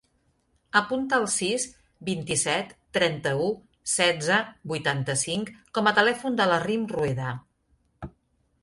Apunta el sis, vint-i-set, trenta-u, setze, vuitanta-cinc com a telèfon de la Rym Rueda.